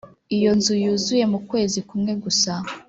Iyo nzu yuzuye mu kwezi kmwe gusa